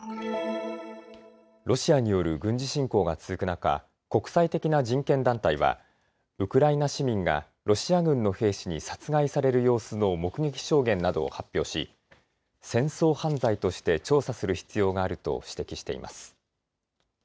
ロシアによる軍事侵攻が続く中、国際的な人権団体はウクライナ市民がロシア軍の兵士に殺害される様子の目撃証言などを発表し戦争犯罪として調査する必要があると指摘しています。